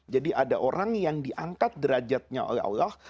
jadi ada orang yang diangkat derajatnya oleh allah